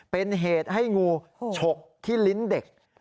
เป็นเหตุให้งูฉกที่ลิ้นเด็ก